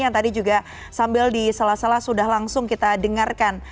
yang tadi juga sambil diselas selas sudah langsung kita dengarkan